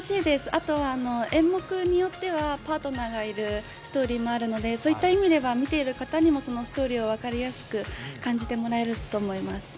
あと、演目によってはパートナーがいるストーリーもあるので、そういった意味では、見ている方にも、そのストーリーを分かりやすく感じてもらえると思います。